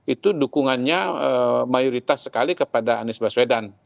itu dukungannya mayoritas sekali kepada anies baswedan